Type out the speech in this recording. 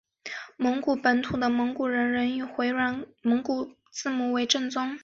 蒙古本土的蒙古人仍以回鹘式蒙古字母为正宗。